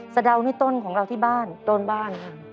สะดาวนี่ต้นของเราที่บ้านครับต้นบ้านครับ